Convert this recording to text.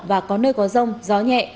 và có nơi có rông gió nhẹ